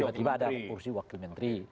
tiba tiba ada kursi wakil menteri